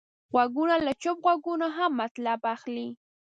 غوږونه له چوپ غږونو هم مطلب اخلي